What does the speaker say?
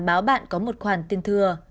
báo bạn có một khoản tiền thừa